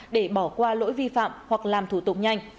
để bỏ qua lỗi vi phạm hoặc làm thủ tục nhanh